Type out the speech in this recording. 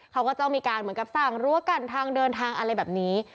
เขาก็ต้องมีการเหมือนกับสั่งรั้วกันทางเดินทางอะไรแบบนี้